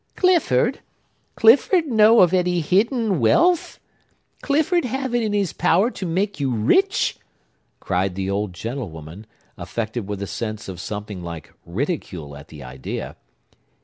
"Clifford!—Clifford know of any hidden wealth? Clifford have it in his power to make you rich?" cried the old gentlewoman, affected with a sense of something like ridicule at the idea.